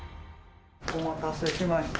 お待たせしました。